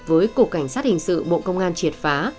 với cục cảnh sát hình sự bộ công an triệt phá